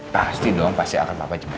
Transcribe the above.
pasti dong pasti akan papa jemput